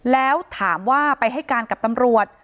แล้วถามว่าไปให้การกับตำรวจ